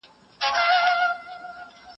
زه مخکي د تکړښت لپاره تللي وو.